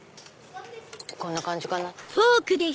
こんな感じかな。